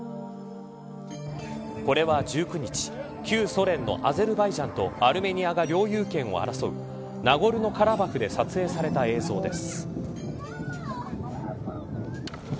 これは１９日旧ソ連のアゼルバイジャンとアルメニアが領有権を争うナゴルノカラバフで撮影された映像です。